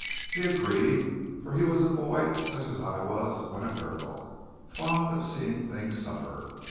He agreed, for he was a boy such as I was when a girl, fond of seeing things suffer.